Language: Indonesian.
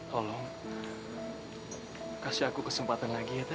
tolong kasih aku kesempatan lagi